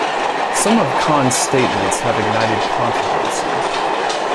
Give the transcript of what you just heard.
Some of Khan's statements have ignited controversy.